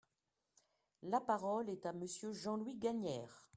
La parole est à Monsieur Jean-Louis Gagnaire.